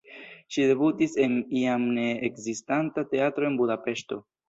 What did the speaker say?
Ŝi debutis en jam ne ekzistanta teatro en Budapeŝto.